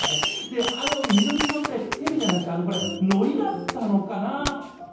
であの緑色ってヘビじゃなくてのりだったのかな？